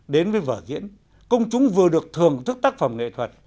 đến với vở diễn công chúng vừa được thưởng thức tác phẩm nghệ thuật